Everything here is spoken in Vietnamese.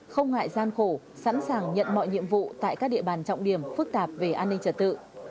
không ngại gian khổ sẵn sàng nhận mọi nhiệm vụ tại các địa bàn trọng điểm phức tạp về an ninh trật tự